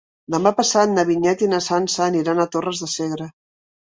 Demà passat na Vinyet i na Sança aniran a Torres de Segre.